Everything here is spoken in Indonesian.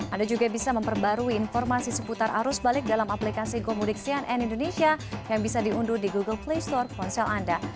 anda juga bisa memperbarui informasi seputar arus balik dalam aplikasi gomudik cnn indonesia yang bisa diunduh di google play store ponsel anda